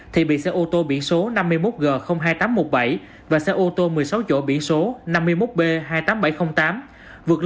thì bị xe ô tô biển số năm mươi một g hai nghìn tám trăm một mươi bảy và xe ô tô một mươi sáu chỗ biển số năm mươi một b hai mươi tám nghìn bảy trăm linh tám vượt lên từ làng xe ô tô